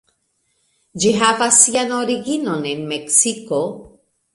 Ĝi havas sian originon en Meksiko.